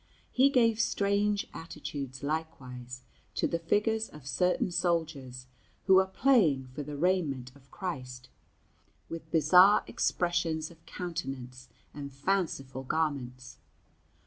He gave strange attitudes, likewise, to the figures of certain soldiers who are playing for the raiment of Christ, with bizarre expressions of countenance and fanciful garments.